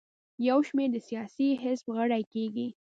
یو شمېر د سیاسي حزب غړي کیږي.